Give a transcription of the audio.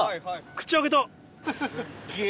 口開けた。